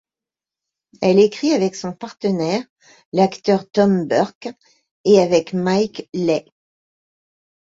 Elle écrit avec son partenaire, l'acteur Tom Burke, et avec Mike Leigh.